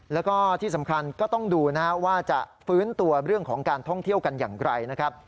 แล้วก็ที่สำคัญก็ต้องดูนะครับว่าจะฟื้นตัวเรื่องของการท่องเที่ยวกันอย่างไรนะครับ